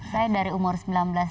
saya dari umur sembilan belas